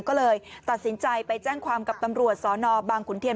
ก็เลยตัดสินใจไปแจ้งความกับตำรวจสนบางขุนเทียน